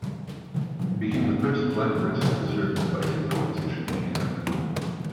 He became the first black person to serve in a viceregal position in Canada.